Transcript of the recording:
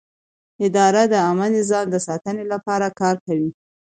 اداره د عامه نظم د ساتنې لپاره کار کوي.